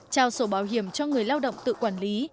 trao sổ bảo hiểm cho người lao động tự quản lý